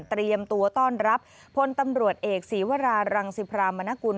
ตรรับผลตำรวจเอกศรีวรารันสิพรามณกุลรองค์